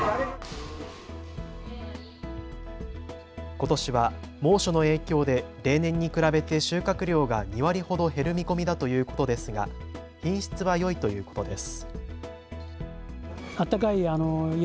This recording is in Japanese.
ことしは猛暑の影響で例年に比べて収穫量が２割ほど減る見込みだということですが品質はよいということです。